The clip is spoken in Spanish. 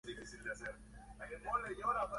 ¿habías bebido?